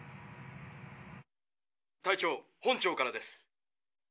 隊長本庁からです。